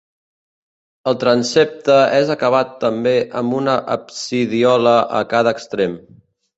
El transsepte és acabat també amb una absidiola a cada extrem.